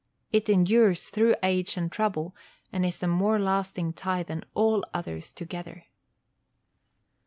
It endures through age and trouble, and is a more lasting tie than all others together.